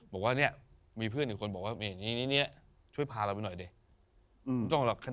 บอกว่ามีเพื่อนอยู่บอกว่าช่วยพาเราไปหน่อย